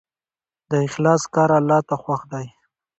د اخلاص کار الله ته خوښ دی.